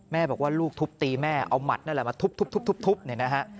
แม่บอกว่าลูกทุบตีแม่เอาหมัดนั่นแหละมาทุบเนี่ยนะฮะ